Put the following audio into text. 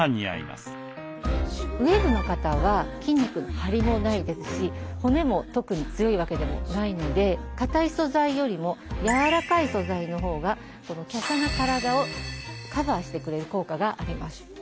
ウエーブの方は筋肉のハリもないですし骨も特に強いわけではないので硬い素材よりも柔らかい素材のほうが華奢な体をカバーしてくれる効果があります。